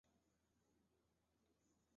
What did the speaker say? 亚洲不少地方的人都喜欢吃血肠。